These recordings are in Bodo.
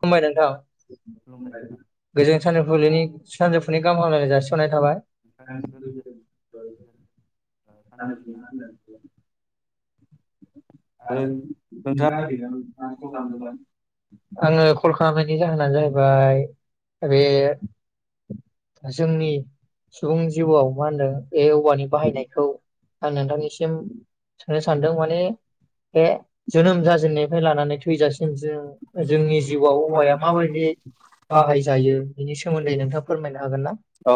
खुलुमबाय नोंथां खुलुमबाय नोंथां गोजोन सानजुफुनि सानजुफुनि गाहाम हामलायनाय जासि हनाय थाबाय नोंथांनिसिमबो गोजोन गोजोन सानजौफुनि गाहाम [unintelligible] आरो नोंथाङा [unintelligible] आंङो कल खालामनायनि जाहोनानो जाहैबाय बे जोंनि सुबुं जिउआव मा होनदों बे औवानि बाहायनायखौ आं नोंथांनिसिम सो सानदों माने बे जोनोम जाजेननायनिफ्राय लानानै थैजासिम जों जोंनि जिउआव हौवाया माबायदि बाहायजायो बिनि सोमोन्दै नोंथांङा फोरमायना हागोन औ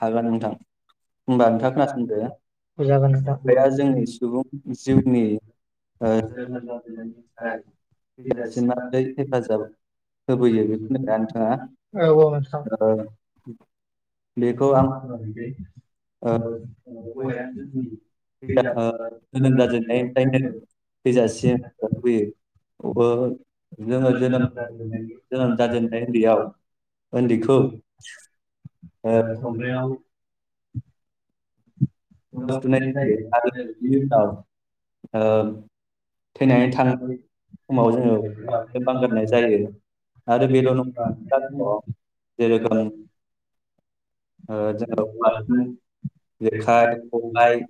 हागोन नोंथां होमबा नोंथाङा खोनासंदो औ हागोन औवाया जोंनि सुबुं जिउनि ओ थैजासिम माब्रै हेफाजाब होबोयो बेखौ होनदोंना नोंथाङा ओ बेखौ आं ओ औवाया [unintelligible] थैजासिम जोनोम [unintelligible] जाजेननायनिफ्रायनो थैजासिम होबोयो ओ जोङो जोनोम जोनोम जाजेननाय उन्दैयाव उन्दैखौ ओ [unintelligible] [inaudible] सगां खुनाय जायो आरो बिनि उनाव ओ थैनानै थानायनाय समाव जोङो बेखौ बाखोननो बानारनाय जायो आरो बेल' बेरं नङा मेरला दङ ओ जेरोखोम ओ जोङो औवाजों जेखाइ खबाइ खबाय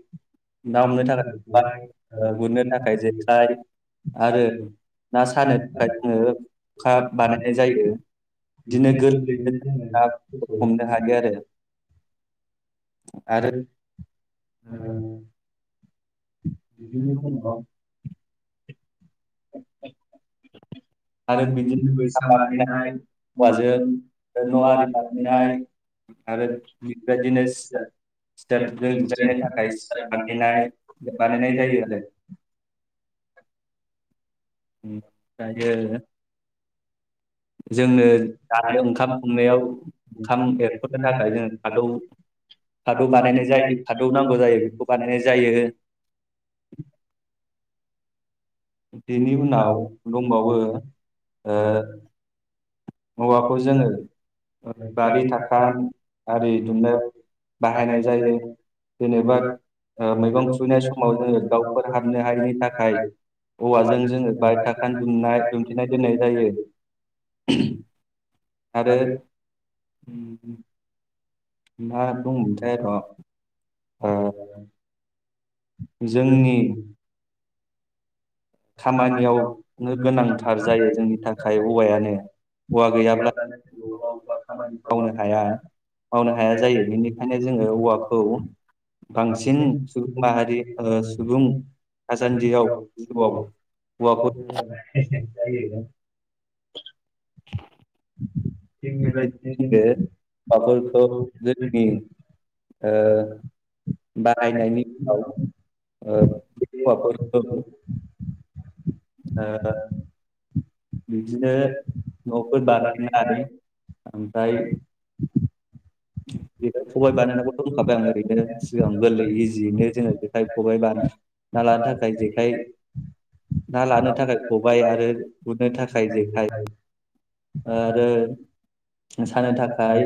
ना हमनो थाखाय खबाय गुरनो थाखाय लेखाय आरो ना सानो थाखाय जोङो अखा बानायनाय जायो बिदिनो गोरलैयैनो जोङो ना फोरखौ हमनो हायो आरो आरो ओ आरो ओ बिदिनो [unintelligible] [unintelligible] आरो बिदिनो बैसां बानायनाय औवाजों आरो न' आरि बानायनाय आरो बिदिनो सिथारजों सियारजों जायनो जिरायनो थाखाय सिथार सियार बानायनाय बानायनाय जायो आरो [inaudible] जोंनो जानाय ओंखाम संनायाव ओंखाम एरख'नो थाखाय जों खादौ खादौ बानायनाय जायो खादौ नांगौ जायो बेखौ बानायनाय जायो [inaudible] बेनि उनाव दंबावो। [inaudible] औवाजों जोङो बारि दुमनाय दुमथेनाय दोननाय जायो [inaudible] आरो। [inaudible] [inaudible] जोंनि। खामानियावनो गोनांथार जायो जोंनि थाखाय औवायानो औवा गैयाब्ला मावनो हाया मावनो हाया जायो बेनिखायनो जोङो औवाखौ बांसिन सुबुं माहारि ओ सुबुं थासान्दियाव [inaudible] [inaudible] जायो। बेफोरखौ जोंनि ओ बाहायनायनि उनाव ओ बे औवाफोरखौ [inaudible] बिदिनो न'फोर बानायनो आरो ओमफ्राय। जेखाय खबाय बानायखौथ' बुंखाबाय आं ओरैनो सिगां गोरलै इजियैनो जोङो जेखाय खबाइ बानायना लानो थाखाय जेखाइ ना लानो थाखाय खबायाइ आरो गुरनो थाखाय जेखाय। आरो सानो थाखाय।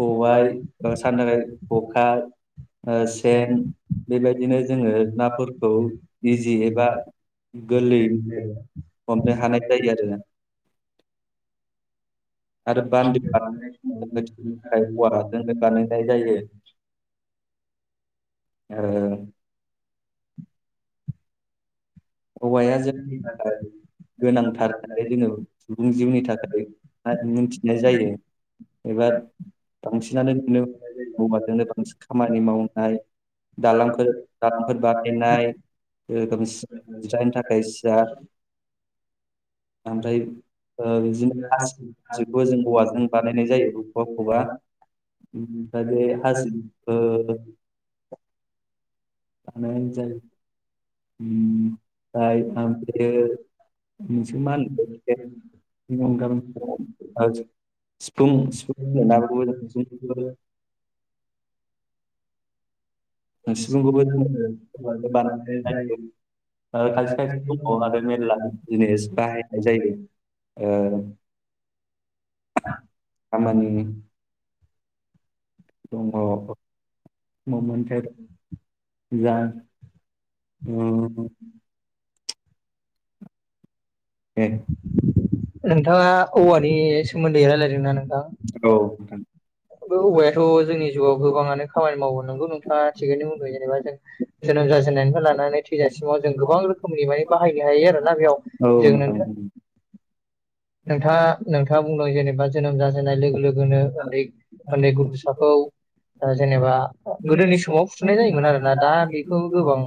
खबाइ ओ सानो थाखाय खखा ओ सेन बेबायदिनो जोङो नाफोरखौ इजि एबा गोरलै हमनो हानाय जायो आरो [inaudible] आरो बान्दो बानायनो थाखाय औवाजोंनो बानायनाय जायो ओ [inaudible] औवाया जों गोनांथार होननानै जोङो सुबुं जिउनि थाखाय मिथिनाय जायो एबा बांसिनानो नुनो औवाजोंनो बांसिन खामानि मावनाय दालांफोर दालांफोर [inaudible] जायनि थाखाय सि हासिबखौ जों औवाजों बानायनाय जायो औवाखौबा ओमफ्राय बे हासिब ओ [unintelligible] बानायनाय जायो। ओमफ्राय ओमफ्रायो मोनसे मा होनो अनगा सिफुं सिफुं नाफोरखौबो [inaudible] जों सिफुंखौबो जों बानायनाय जायो खायसे खायसे दङ आरो मेरला जिनिस बाहायनाय जायो ओ [unintelligible] [unintelligible] खामानि गाबोन दङ मो मोनथाय जा ओ दे। नोंथाङा औवानि सोमोन्दै रायलायदोंना नोंथां औ औ बे औवायाथ' जोंनि जिउगाव गोबाङानो खामानि मावो नोंगौ नोंथाङा थिगैनो बुंदों जेनेबा जों जोनोम जाजेननायनिफ्राय लानानै थैजासिमाव जों गोबां रोखोमनि माने बाहायनो हायो आरोना बेयाव नोंथां [unintelligible] नोंथाङा नोंथाङा नोंथां बुंदों जेनेबा जोनोम जाजेननाय लोगो लोग गोनो उन्दै उन्दै गथ'साखौ ओ जेनेबा गोदोनि गोदोनि समाव फुथुनाय जायोमोन आरोना दा बेखौ गोबां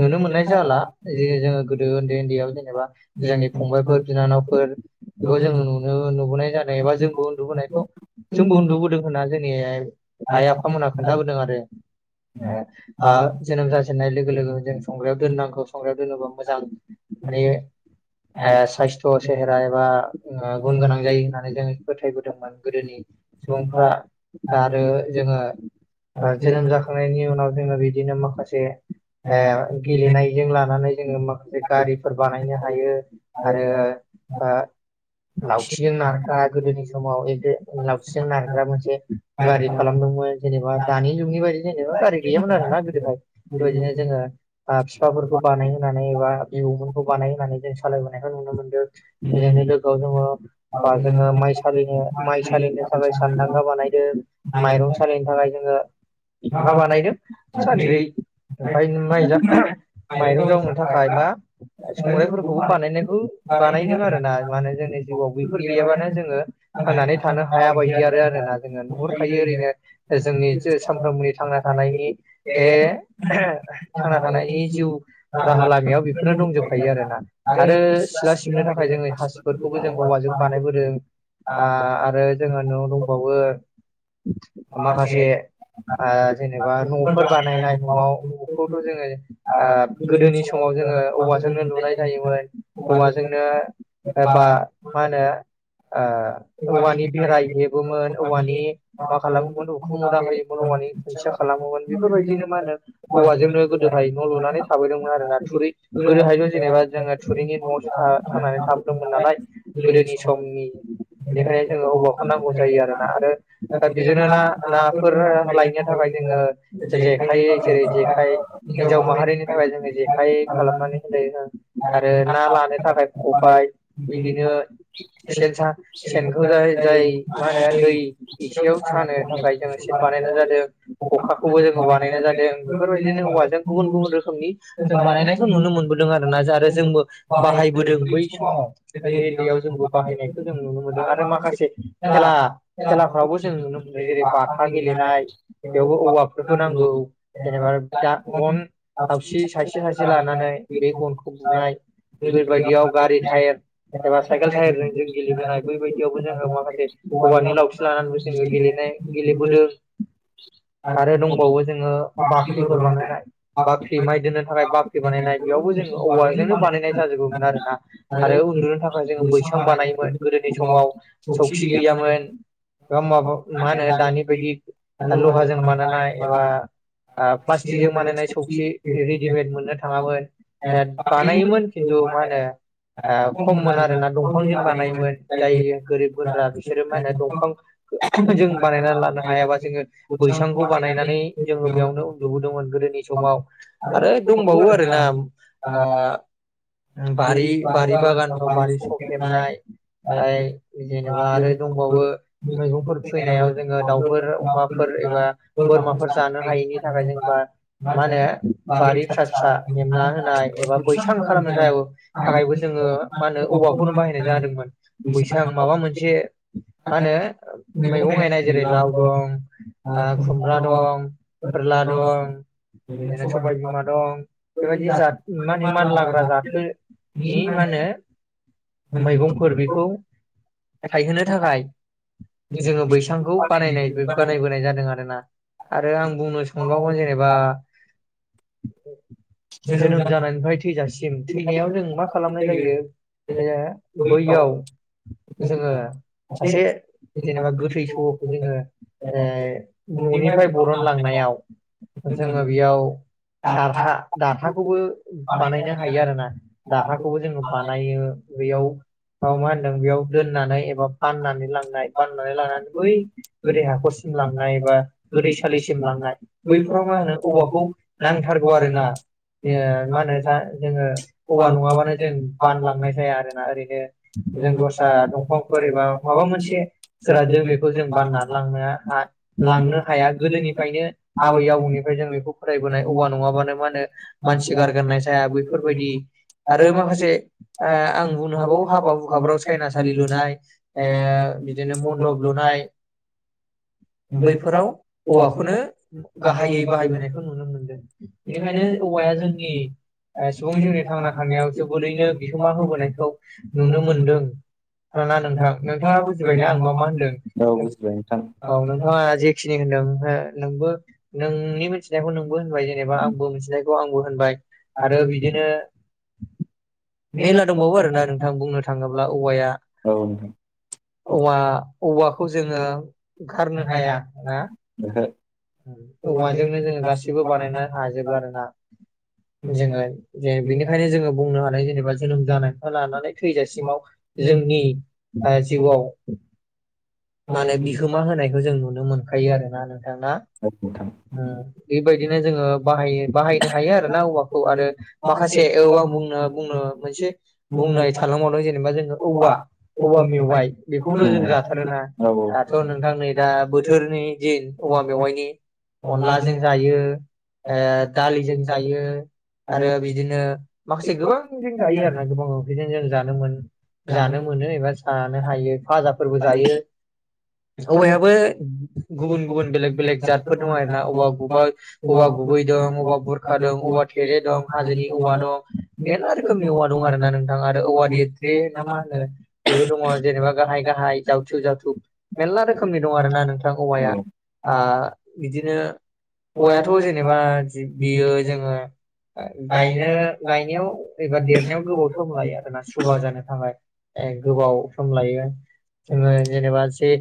नुनो मोननाय जाला जि जोङो गोदो उन्दै उन्दैयाव जेनेबा जोंनि फंबायफोर बिनानावफोर बेखौ जोंङो नुनो नु- गनाय जा एबा जोंबो उन्दुबोनायखौ जोंबो उन्दुबोदों होनना जोंनि आइ आइ आफामोनहा खोनथाबोदों आरो ए आ जोनोम जाजेन होननाय लोगो लोगो जों संग्रायाव दोननांगौ संग्रायाव- जेनबा मोजां मानि आ सायसथ सेहेरा समाव बा गुन गोनां जायो होननानै जों फोथायबो दोंमोन गोदोनि सुबुंफ्रा आरो जोङो ओ जोनोम जाखांनायनि उनाव जोङो बि बिदिनो माखासे ए गेलेनायजों लानानै जोङो माखासे गारिफोर बानायनो हायो आरो ओ लावखिजों नाखारद गोदोनि समाव एबे लावथिजों नारग्रा मोनसे गारि खालामदोंमोन जेनेबा दानि जुगनि बायदि जेनेबा गारि गैयामोन आरोना गोदोहाय बेबायदिनो जोङो ओ फिफाफोरखौ बानायहोनानै एबा बिबौमोनखौ बानायहोनानै जों सालायबोनाय खौ नुनो मोनदों गेलेनो लोगोआव जोङो बा जोङो माइ सालिनो माइ सालिनो थाखाय सानदांगा बानायदों माइरं सालिनो थाखाय जोङो मा बानायदों? सानद्रि ओमफाय माइ माइरं माइरं जावनो थाखाय थाखायबा मा संग्रायफोरखौबो संग्राइफोरखौबो बानायनायखौ बानायदों बानायदों आरो आरोना दा माने जोंनि जिउआव बेफोर गैयाबानो जोङो थांनानै थानो हाया बायदि आरो आरोना नुहोर खायो ओरैनो जोंनि जो सानफ्रामबोनि थांना थानायनि ए थांना थानायनि जिउ राहा लामायाव बेफोरनो दंखायो दंजोबखायो आरो ना आरो सिथला सिबनो थाखाय जों हासिफोरखौबो ओरैनो जों औव जों बानायदों आ आरो ज नआव दंबावो। माखासे [unintelligible] एबा न'फोर बानायनाय न'आव न'खौथ' जोङो ओ गोदोनि समाव जोङो औवाजोंनो लुनाय जायोमोन औवाजोंनो एबा मा होनो ओ औवानि बेरा हेबोमोन औवानि मा खालामो मोन उखुमुदा होयोमोन औवानि खुनथिया खालामो मोन‌बि बेफोरबायदिनो मा होनो औवाजोंनो गोदो ओमफ्राय न' लुनानै थाबोैदोंमोन आरो ना थुरि गोदोहाबो जेनेबा जोङो थूरिनि नआवनो था खानानै थाबोदोंमोन नालाय गोदोनि समनि बेनिखायनो जोंनो बिदिनो औवाखौ नांगौ जायो आरो ना आरो दा नाफोर बिदिनो गोनां ना नाफोर लायनो थाखाय जोङो जेखाइ जेखाय खबाइ जेरै खबाइ जेखाय हिनजाव माहारिनि थाखाय जोंनो जेखाइ जेखाय खालामनानै होयो होनाय जायो आरो ना लानो थाखाय खबाय बिदिनो सेन सानो सेनखौ जाय जाय मा होनो दै एसेयाव सानो थाखाय जोङो सेन बानायनाय जादों खखाखौबो जोङो बानायनाय जादों बेफोरबायदिनो हवाजों गुबुन गुबुन रोखोमनि जों बानायनायखौ नुनो मोनबोदों आरोना आरो जोंबो बाहायबोदों। दों बै समाव उन्दै उन्दैयाव जोंबो बाहायनायखौ जों नुनो मोनदों आरो माखासे माखा खेला खेलाफ्रावबो जों नुनो मोन जेरै बाथा गेलेनाय बेयाव बेयावबो औवाखौ औवाफोरखौ नांगौ जेनेबा दा गन दावसि सासे सासे लानानै बे गनखौ बुनाय बेफोरबायदि बेयाव गारि टायार एबा साइकेल टायारजों जों गेलेबोनाय बैबायदियावबो जों माखासे औवानि लावथि लानानैबो जोङो गेलेनाय गेलेबोदों नांगौ आरो दंबावो जोङो आरो बाख्रिफोर बानायनाय बाख्रि माइ दोननो थाखाय बाख्रि बानायनाय बेयावबो जोङो औवाजोंनो बानायनाय जाजोबोमोन आरो। आरो उन्दुनो थाखाय जोङो बैसां बानायोमोन गोदोनि समाव सौखि गैयामोन एबा माबा मा होनो दानि बायदि लहाजों बानायनाय एबा प्लास्टिकजों बानायनाय सौखि रेडिमेद मोननो थाङामोन बानायोमोन खिन्थु मा होनो ओ खममोन आरोना दंफांजों बानायोमोन जायो गोरिब गुन्द्रा बिसोरो मा होनो दंफां जों बानायनानै लानो हायाबा जोङो बैसांखौ बानायनानै जोङो बेयावनो उन्दुबोदोंमोन गोदोनि समाव आरो दंबावो आरोना आ बारि बारि बागानफ्राव बारि सखेबनाय । जेनेबा आरो दंबावो मैगंफोर खुबैनायाव जोङो दाउफोर अमाफोर एबा बोरमाफोर जानो हायैनि थाखाय जेनेबा मा होनो बारि फिसा फिसा हेबना होनाय एबा बैसां खालामनो थाखाय । थाखायबो जोङो मा होनो औवाखौनो बाहायनाय जादोंमोन बैसां माबा मोनसे मा होनो मैगं गायनाय जेरै लाव दं खुमब्रा दं फोरला दं बिदिनो सबायबिमा दं बेबायदि जाद मा होनो मानलाग्रा जाथो नि मा जोङो होनो मैगंफोर बेखौ थायहोनो थाखाय जोङो बैसांखौ बानायनाय बानायबोनाय जादों आरोना । आरो आं बुंनो सानबावगोन जेनेबा औ। जोनोम जानायनिफ्राय थैजासिम । म थैनायाव जों मा खालामनाय जायो ओ बैयाव जोङो सासे जेनेबा गोथै सहखौ जोङो ओ न'निफ्राय बरनलांनायाव जोङो बेयाव दारहा दारहा खौबो बानायनो हायो आरोना दर खौबो जोङो बानायो बेयाव मा होनदों बेयाव दोननानै एबा बाननानै लांनाय बाननानै लानानै बै गोथै हाखरसिम लांनाय एबा गोथै सालिसिम लांनाय । बैफोराव मा होनो औवाखौ नांथारगौ आरो ना ए मा होनो दा बै जोङो हौवा माबा नङाबानो । जों बानलांनाय जाया आरोना ओरैनो जों दस्रा दंफां । बोरैबा माबा मोनसे जिराद जों बेखौ जों बानना लांनो हा लांनो हाया गोदोनिफ्रायनो आबै आबौनिफ्राय जों फरायबोनाय औवा नङाबानो मा होनो मानसि गारगोनाय जाया बै बेफोरबायदि आरो मा बायदि ओ आं बुंनो हाबावो [unintelligible] हुखाफ्राव मोनसे सायना सालि लुनाय ए बिदिनो बैफोराव मन्दब लुनाय बैफोराव औवाखौनो गाहायै बाहायबोनायखौ नुनो मोनदों बेनिखायनो औवाया बेखायनो जों जोंनि ओ सुबुंनि जिउनि जोंनि थांना थानायाव सुबुं बोरैनो बिहोमा नुनो होबोनायखौ मोनो नुनो मोनदों [unintelligible] नोंथां औ नोंथाङा बुजिबायना आं मा मा होनदों बुजिबाय नोंथां। औ नोंथां। नोंथाङा जेखिनि होनदों [unintelligible] नोंबो नोंनि मिथिनायखौ नोंबो होनबाय जेनेबा आंबो मिथिनायखौ आं बो होनबाय आरो बिदिनो मेला दंबावो आरोना नोंथां बुंनो थाङोब्ला औवाया औवा औवाखौ जोङो गारनो हाया ना [inaudible] ओहो। औवाजोंनो जोङो गाससिबो बानायनो हाजोबो आरो ना जोङो बिनिखायनो जोङो बुंनो हानाय जेनेबा जोनोम जानाय लानानै थैजासिमाव जोंनि जिउआव माने बिहोमा औ होनायखौ जों नुन नुनो मोनखायो आरोना नोंथां ना? ओ नोंथां। बेबायदिनो जोङो बाहायो बाहायनो हायो आरोना औवाखौ आरो माखासे माखासे औ औवा आं बुंनो बुंनो मोनसे बुंनाय थाालांबावदों जेनेबा जोङो औवा औवा मेवाइ बेखौथ' जों जाथारोना दाथ' नोंथां नै दा बोथोरनि दिन औवा मेवाइनि अनलाजों जायो [inaudible] ओ दालिजों जायो आरो बिदिनो माखासे गोबां जों जायो आरो ना गोबा [unintelligible] जों जानो मोन जानो मोनो एबा जानो हायो फाजाफोरबो जायो। जानो सबायाबो आ [unintelligible] गुबुन गुबुन बेलेग बेलेग फोर दं आरोना औवा गुबा औवा गुबै दं औवा बुरखा दं औवा थेरे दं हाजोनि औवा दं मेरला रोखोमनि औवा दं आरो ना नोंथां आरो औवा देद्रे ना मा होनो बेबो दङ जेनेबा गाहाय गाहाय जावथु जावथु मेरला रोखोमनि दं आरो ना नोंथां औवाया आ [unintelligible] बिदिनो बिदिनो औवायाथ' जेनेबा बियो जोङो गायनो गायनो गायनायाव एबा देरनायाव गोबाव सम लायो आरोना सुबा जानो थाखाय गोबाव गायनायाव सम लायो। जोङो जेनेबा से